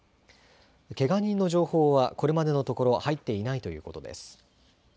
けが人の情報はこれまでのところ、入っていないということです。